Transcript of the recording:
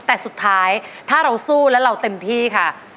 แต่สุดท้ายถ้าเราสู้แล้วเราเต็มที่ค่ะ